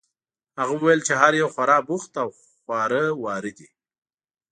هغه وویل چې هر یو خورا بوخت او خواره واره دي.